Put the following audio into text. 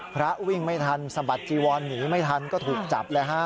พระวิ่งไม่ทันสะบัดจีวอนหนีไม่ทันก็ถูกจับเลยฮะ